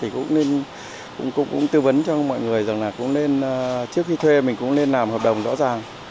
cũng tư vấn cho mọi người rằng là trước khi thuê mình cũng nên làm hợp đồng rõ ràng